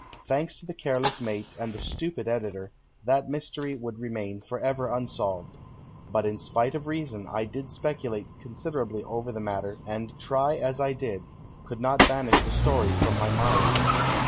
Thanks to the careless mate and the stupid editor, that mystery would remain forever unsolved. But in spite of reason I did speculate considerably over the matter, and, try as I did, could not banish the story from my mind.